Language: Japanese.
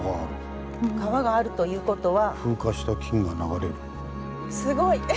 川があるという事は？